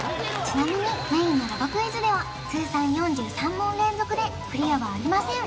ちなみにメインのロゴクイズでは通算４３問連続でクリアはありません！